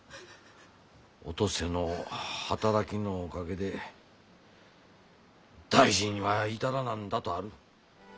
「お登勢の働きのおかげで大事には至らなんだ」とある。